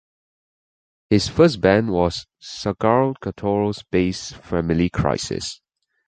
His first band was Saratoga-based Family Crisis.